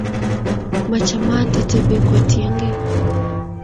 Machamat itebi kotiengee